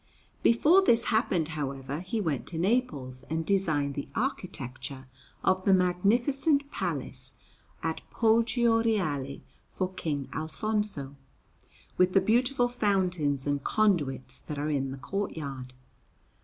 Before this happened, however, he went to Naples and designed the architecture of the magnificent Palace at Poggio Reale for King Alfonso, with the beautiful fountains and conduits that are in the courtyard.